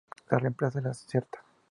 Lo remplaza la Srta.